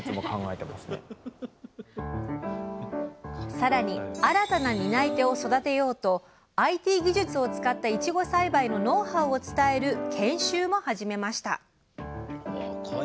更に新たな担い手を育てようとＩＴ技術を使ったいちご栽培のノウハウを伝える研修も始めました